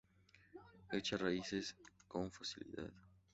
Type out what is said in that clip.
Echa raíces con facilidad.